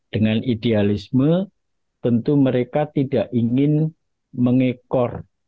dengan idealisme tentu mereka tidak ingin mengekor